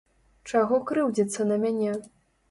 Чаго крыўдзіцца на мяне?